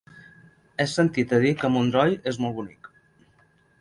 He sentit a dir que Montroi és molt bonic.